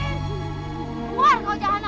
keluar kau jahat